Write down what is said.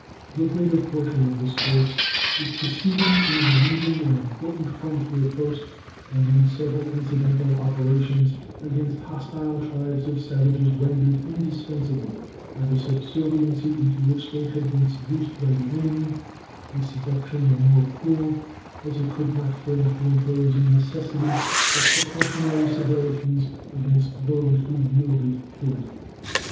The greater portion of this force is proceeding in relieving an important frontier post, and in several incidental operations against hostile tribes of savages, rendered indispensable by the subserviency into which they had been seduced by the enemy a seduction the more cruel as it could not fail to impose a necessity of precautionary severities against those who yielded to it.